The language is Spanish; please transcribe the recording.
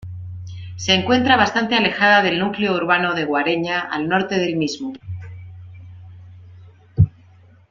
Se encuentra bastante alejada del núcleo urbano de Guareña al norte del mismo.